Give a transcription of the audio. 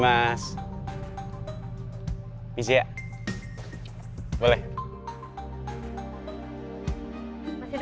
dua kali gadis ini berhubung di vip accountant